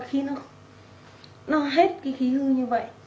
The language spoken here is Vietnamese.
khi nó hết cái khí hư như vậy